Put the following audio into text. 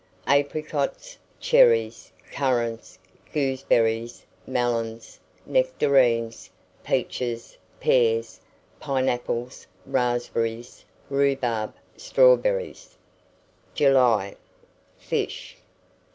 Apricots, cherries, currants, gooseberries, melons, nectarines, peaches, pears, pineapples, raspberries, rhubarb, strawberries. JULY. FISH.